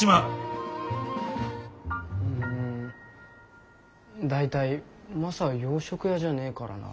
うん大体マサは洋食屋じゃねえからな。